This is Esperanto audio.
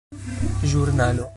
ĵurnalo